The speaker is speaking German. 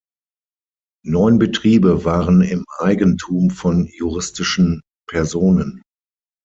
Neun Betriebe waren im Eigentum von juristischen Personen.